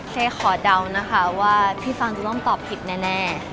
ขอเดานะคะว่าพี่ฟังจะต้องตอบผิดแน่